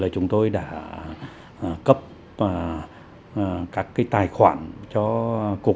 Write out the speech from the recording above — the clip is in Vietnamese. chúng tôi đã cấp các tài khoản cho cục